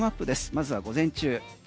まずは午前中。